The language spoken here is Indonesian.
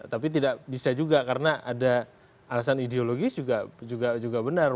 tapi tidak bisa juga karena ada alasan ideologis juga benar